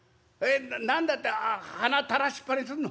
何だってはな垂らしっぱにすんの？